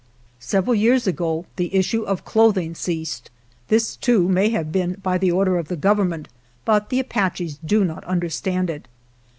Several years ago the issue of clothing ceased. This, too, may have been by the order of the Government, but the Apaches do not understand it.